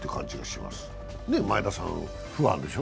前田さん、ファンでしょ？